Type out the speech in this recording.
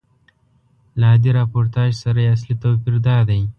له عادي راپورتاژ سره یې اصلي توپیر دادی.